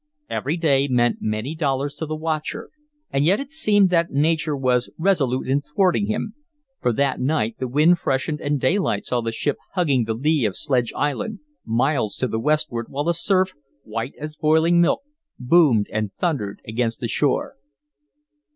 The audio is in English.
Every day meant many dollars to the watcher, and yet it seemed that nature was resolute in thwarting him, for that night the wind freshened and daylight saw the ship hugging the lee of Sledge Island, miles to the westward, while the surf, white as boiling milk, boomed and thundered against the shore.